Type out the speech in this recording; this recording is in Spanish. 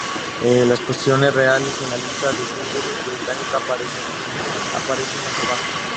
Las posiciones reales en la lista de singles británica aparecen más abajo.